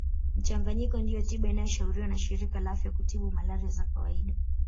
Mchanganyiko ndiyo tiba inayoshauriwa na shirika la afya kutiba malaria za kawaida